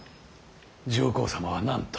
上皇様は何と。